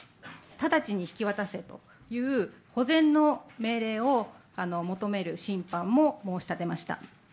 直ちに引き渡せという、保全の命令を求める審判も申し立てました。